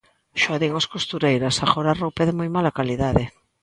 Xa o din as costureiras: agora a roupa é de moi mala calidade.